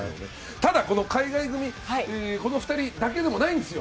ただ、海外組この２人だけでもないんですよ。